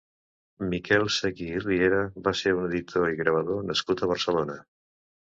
Miquel Seguí i Riera va ser un edior i gravador nascut a Barcelona.